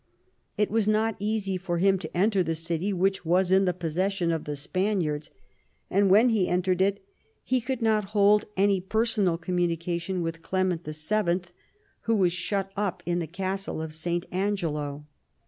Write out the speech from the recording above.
It was not easy for him to enter the city, which was in possession of the Spaniards, and when he entered it he could not hold any personal communication with Clement VH., who was shut up in the Castle of St. Angelo.